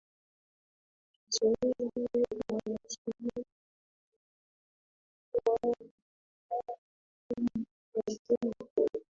Kiswahili Wamishenari tayari walikuwa wameandaa mifumo ya dini